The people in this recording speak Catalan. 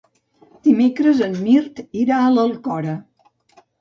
Dimecres en Mirt irà a l'Alcora.